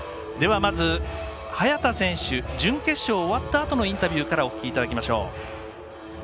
では、まず早田選手準決勝が終わったあとのインタビューからお聞きいただきましょう。